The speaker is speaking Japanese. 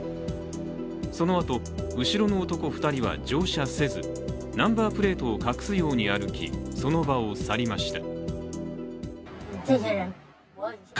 そのあと、後ろの男２人は乗車せずナンバープレートを隠すように歩きその場を去りました。